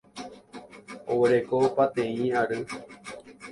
Oguereko pateĩ ary.